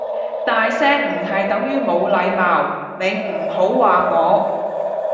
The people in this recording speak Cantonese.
大聲唔係等於冇禮貌你唔好話我